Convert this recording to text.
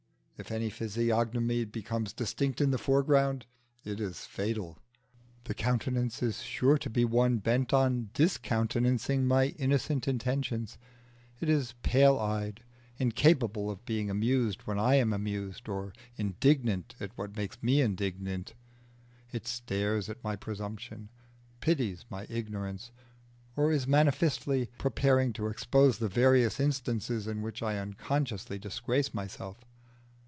If any physiognomy becomes distinct in the foreground, it is fatal. The countenance is sure to be one bent on discountenancing my innocent intentions: it is pale eyed, incapable of being amused when I am amused or indignant at what makes me indignant; it stares at my presumption, pities my ignorance, or is manifestly preparing to expose the various instances in which I unconsciously disgrace myself.